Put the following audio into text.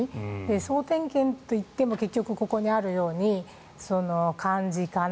総点検といっても結局、ここにあるように漢字、仮名